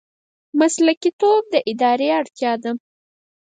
مسلکي توب د ادارې اړتیا ده